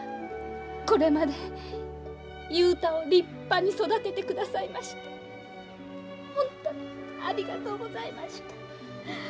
これまで雄太を立派に育ててくださいまして本当にありがとうございました。